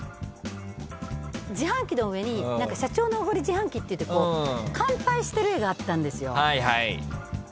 自販機の上に社長のおごり自販機って乾杯してる絵があったんですよ。